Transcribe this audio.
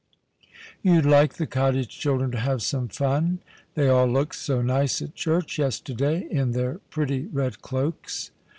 " You'd like the cottage children to have some fun ? They all looked so nice at church yesterday, in their pretty red cloaks."